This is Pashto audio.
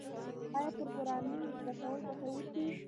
آیا پروګرامینګ زده کول ګټور دي؟